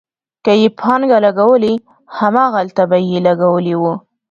که یې پانګه لګولې، هماغلته به یې لګولې وي.